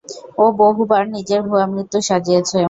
ও বহুবার নিজের ভুয়া মৃত্যু সাজিয়েছে।